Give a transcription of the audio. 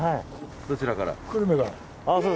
どちらから？